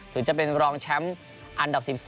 ถึงจะเป็นรองแชมป์อันดับ๑๒